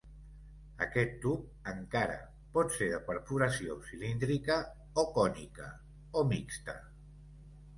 Aquest tub, encara, pot ser de perforació cilíndrica, o cònica, o mixta.